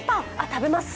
食べます。